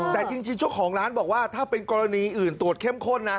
แต่จริงเจ้าของร้านบอกว่าถ้าเป็นกรณีอื่นตรวจเข้มข้นนะ